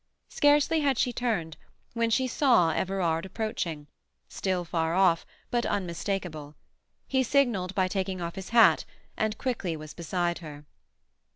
Scarcely had she turned when she saw Everard approaching, still far off, but unmistakable. He signalled by taking off his hat, and quickly was beside her.